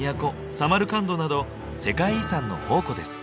サマルカンドなど世界遺産の宝庫です。